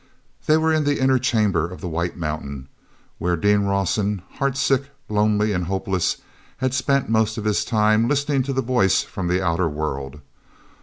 They were in the inner chamber of the white mountain, where Dean Rawson, heartsick, lonely and hopeless, had spent most of his time listening to the voice from the outer world.